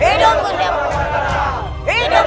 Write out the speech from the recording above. hidupnya para penduduk